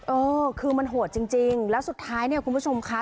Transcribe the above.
เออคือมันโหดจริงแล้วสุดท้ายเนี่ยคุณผู้ชมคะ